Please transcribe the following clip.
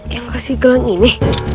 yang kasih gelang ini